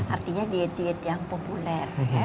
artinya diet diet yang populer